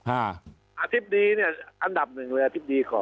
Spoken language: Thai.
อาทิตย์ดีเนี่ยอันดับหนึ่งว่าอาทิตย์ดีขอ